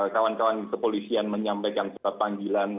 kawan kawan kepolisian menyampaikan surat panggilan